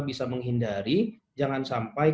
bisa menghindari jangan sampai